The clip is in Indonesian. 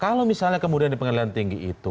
kalau misalnya kemudian di pengadilan tinggi itu